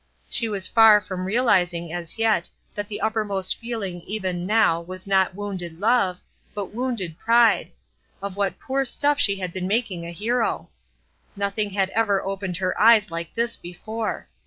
She was far from realizing as yet that the uppermost feeling even now was not wounded love, but wounded pride; of what poor stuff she had been making a hero! Nothing had ever opened her eyes like this before.